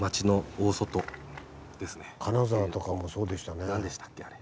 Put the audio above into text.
金沢とかもそうでしたね。